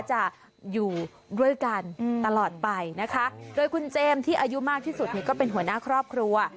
จะอยู่ด้วยกันตลอดไปนะคะโดยคุณเจมส์ที่อายุมากที่สุดเนี่ยก็เป็นหัวหน้าครอบครัว